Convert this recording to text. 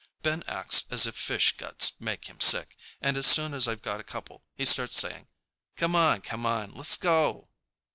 Ben acts as if fish guts make him sick, and as soon as I've got a couple he starts saying "Come on, come on, let's go."